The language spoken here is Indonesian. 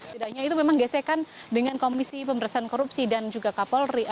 tidaknya itu memang gesekan dengan komisi pemerintahan korupsi dan juga kapolri